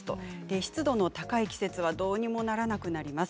湿度が高い季節はどうにもならなくなります。